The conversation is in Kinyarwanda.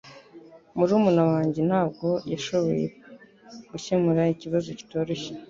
Murumuna wanjye ntabwo yashoboye gukemura ikibazo kitoroshye